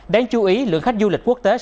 đáng chú ý lượng khách du lịch quốc tế